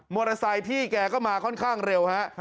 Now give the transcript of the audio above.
มอเตอร์ไซค์พี่แกก็มาค่อนข้างเร็วฮะ